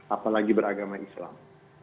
apalagi beragama islam